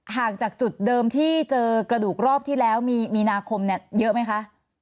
หากจากจุดเดิมที่เจอกระดูกรอบที่แล้วมีนาคมเยอะไหมคะ